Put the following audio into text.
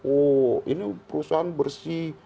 oh ini perusahaan bersih